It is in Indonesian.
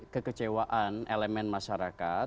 kekecewaan elemen masyarakat